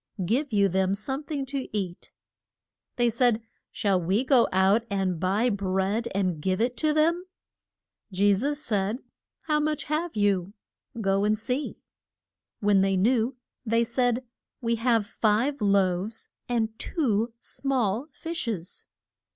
Give you them some thing to eat. They said, Shall we go out and buy bread and give it to them? Je sus said, How much have you? Go and see. When they knew they said, We have five loaves and two small fish es.